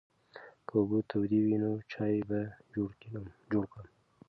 که اوبه تودې وي نو چای به جوړ کړم.